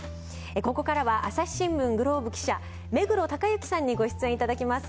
ここからは『朝日新聞ＧＬＯＢＥ』記者目黒隆行さんにご出演頂きます。